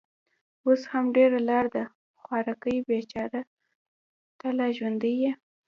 اوس هم ډېره لار ده. خوارکۍ، بېچاره، ته لا ژوندۍ يې؟